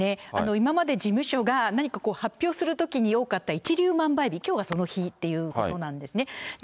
今まで事務所が何かこう、発表するときに多かった一粒万倍日、きょうがその日ということなんですね。